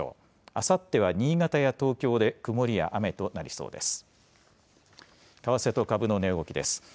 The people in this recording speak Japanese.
あさっては新潟や東京で曇りや雨となりそうです。